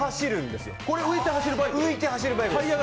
浮いて走るバイクです。